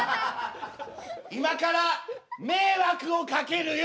今から迷惑をかけるよ！